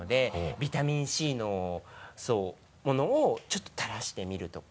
ビタミンＣのものをちょっと垂らしてみるとか。